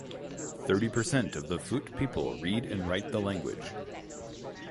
Thirty percent of the Fut people read and write the language.